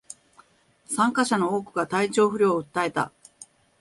参加者の多くが体調不良を訴えた